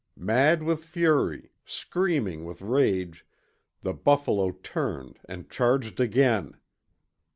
Mad with fury, screaming with rage, the buffalo turned and charged again.